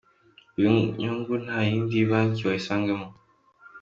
Iyo nyungu nta yindi banki wayisangamo.